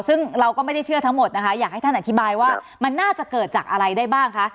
ซึ่งเราก็ไม่ได้เชื่อทั้งหมดนะคะอยากให้ท่านอธิบายว่ามันน่าจะเกิดจากอะไรได้บ้างคะ